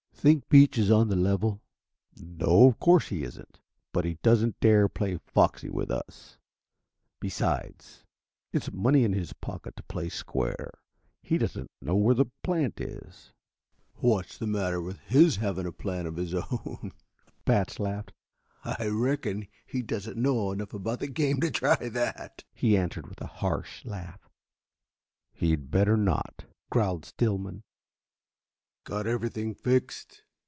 "Think Beach is on the level?" "No, of course he isn't. But he doesn't dare play foxy with us. Besides, it's money in his pocket to play square. He doesn't know where the plant is." "What's the matter with his having a plant of his own?" Batts laughed. "I reckon he doesn't know enough about the game to try that," he answered with a harsh laugh. "He'd better not," growled Stillman. "Got everything fixed?"